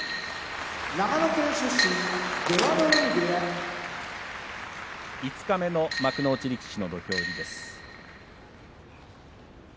長野県出身出羽海部屋五日目の幕内力士の土俵入りです。